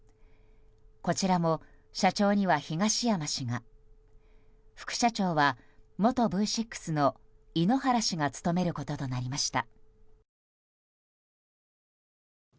こちらも社長には東山氏が副社長には元Ｖ６の井ノ原氏が務めることとなりました。